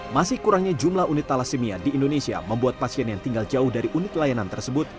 masih kurangnya jumlah unit thalassemia di indonesia membuat pasien yang tinggal jauh dari unit layanan tersebut